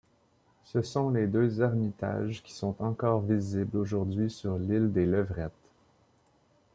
Ce sont les deux ermitages qui sont encore visibles aujourd'hui sur l'île des Levrettes.